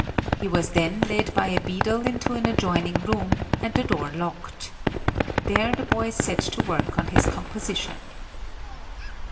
He was then led by a beadle into an adjoining room, and the door locked. There the boy set to work on his composition.